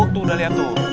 tuh udah lihat tuh